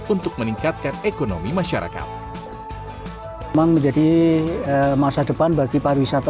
untuk meningkatkan ekonomi masyarakat